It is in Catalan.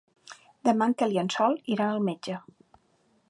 Demà en Quel i en Sol iran al metge.